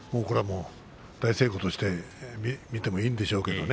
大成功としてもいいんでしょうけどもね。